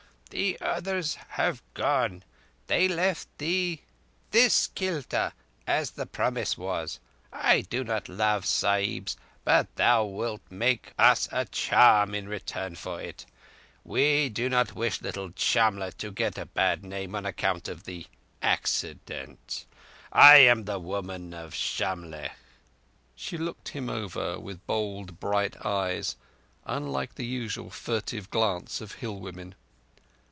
"The others have gone. They left thee this kilta as the promise was. I do not love Sahibs, but thou wilt make us a charm in return for it. We do not wish little Shamlegh to get a bad name on account of the—accident. I am the Woman of Shamlegh." She looked him over with bold, bright eyes, unlike the usual furtive glance of hillwomen.